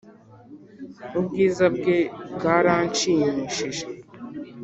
—ubwiza bwe bwaranshimishije.